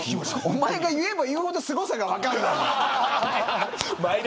おまえが言えば言うほどすごさが分からない。